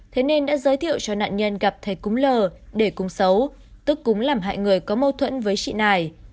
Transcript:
thế nên đã giới thiệu cho nạn nhân gặp thầy cúng lờ để cúng xấu tức cúng làm hại người có mâu thuẫn với chị nải